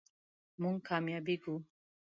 مونږ کامیابیږو